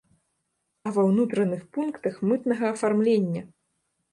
А ва ўнутраных пунктах мытнага афармлення!